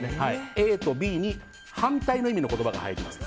ＡとＢに反対の意味の言葉が入ります。